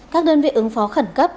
các đơn vị ứng phó khẩn cấp